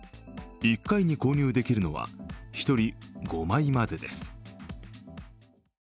１回に購入できるのは１人５枚までです。